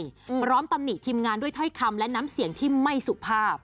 พร้อมตำหนิทีมงานด้วยถ้อยคำและน้ำเสียงที่ไม่สุภาพ